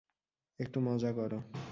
একটু মজা করো।